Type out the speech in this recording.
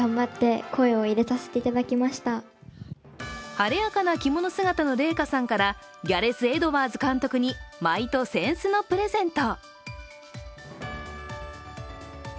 晴れやかな着物姿の麗禾さんからギャレス・エドワーズ監督に舞と扇子のプレゼント。